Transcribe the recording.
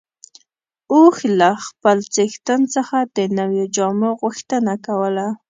اوښ له خپل څښتن څخه د نويو جامو غوښتنه کوله.